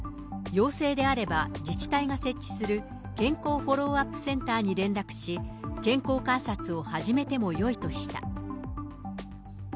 陽性であれば、自治体が設置する健康フォローアップセンターに連絡し、健康観察を始めてもよいとした。